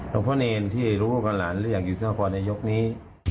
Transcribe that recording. ลงพ่อเนรที่ลูกลูกอ้านหลานเรียกอยู่ท่านลงพ่อในยกนี้